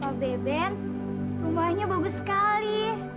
kalau beben rumahnya bagus sekali